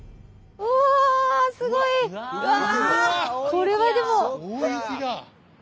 これはでも。